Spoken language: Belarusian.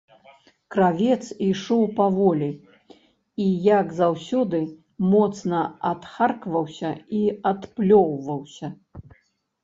Кравец ішоў паволі і, як заўсёды, моцна адхаркваўся і адплёўваўся.